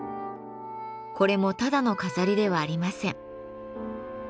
これもただの飾りではありません。